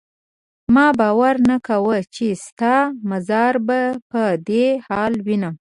ما باور نه کاوه چې ستا مزار به په دې حال وینم.